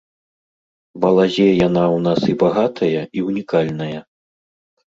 Балазе яна ў нас і багатая, і ўнікальная.